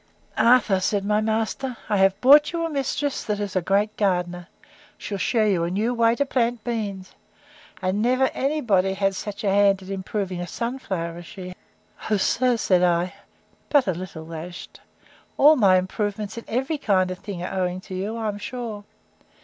Arthur, said my master, I have brought you a mistress that is a great gardener. She'll shew you a new way to plant beans: And never any body had such a hand at improving a sun flower as she!—O sir, sir, said I, (but yet a little dashed,) all my improvements in every kind of thing are owing to you, I am sure!